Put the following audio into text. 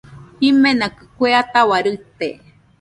Jimenakɨ kue ataua rite